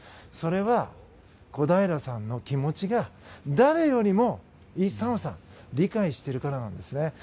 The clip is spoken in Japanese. それは小平さんの気持ちが誰よりもイ・サンファさんが理解しているからです。